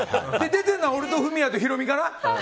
出てるのは俺とフミヤとヒロミかな。